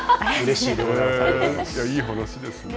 いい話ですね。